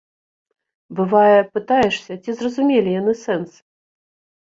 Бывае, пытаешся, ці зразумелі яны сэнс.